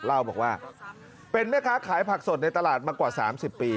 เล่าบอกว่าเป็นแม่ค้าขายผักสดในตลาดมากว่า๓๐ปี